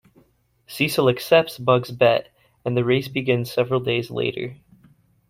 Cecil accepts Bugs' bet, and the race begins several days later.